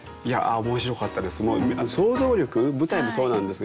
面白かったです。